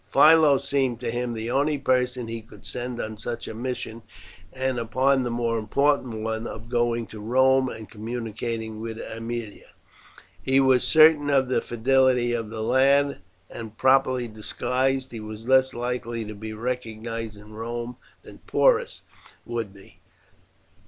Philo seemed to him the only person he could send on such a mission, and upon the more important one of going to Rome and communicating with Aemilia. He was certain of the fidelity of the lad, and, properly disguised, he was less likely to be recognized in Rome than Porus would be.